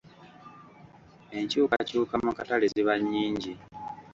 Enkyukakyuka mu katale ziba nnyingi.